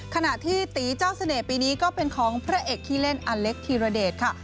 ขณะที่ตีเจ้าเสน่ห์ปีนี้ก็เป็นของพระเอกขี้เล่นอเล็กธีรเดชค่ะ